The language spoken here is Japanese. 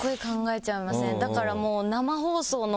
だからもう。